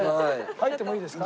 入ってもいいですか？